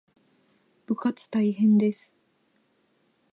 部活大変です